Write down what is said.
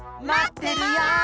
まってるよ！